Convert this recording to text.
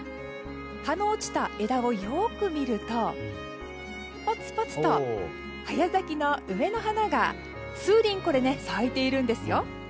葉の落ちた枝をよく見るとぽつぽつと早咲きの梅の花が数輪咲いているんですよ。